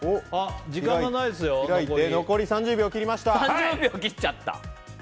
残り３０秒を切りました。